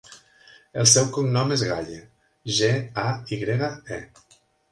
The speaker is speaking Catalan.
El seu cognom és Gaye: ge, a, i grega, e.